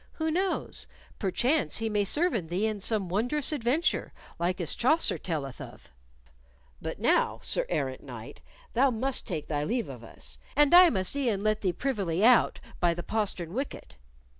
Who knows? Perchance he may serven thee in some wondrous adventure, like as Chaucer telleth of. But now, Sir Errant Knight, thou must take thy leave of us, and I must e'en let thee privily out by the postern wicket.